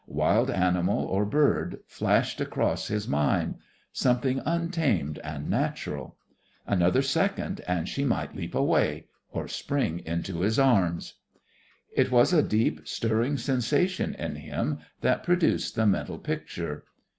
Wild animal or bird, flashed across his mind: something untamed and natural. Another second, and she might leap away or spring into his arms. It was a deep, stirring sensation in him that produced the mental picture.